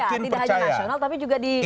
tidak hanya nasional tapi juga di daerah